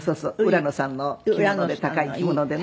浦野さんの着物で高い着物でね